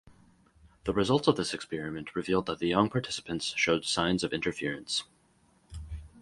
The results of this experiment revealed that the young participants showed signs of interference.